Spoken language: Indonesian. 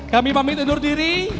kami pamit undur diri